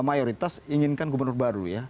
mayoritas inginkan gubernur baru ya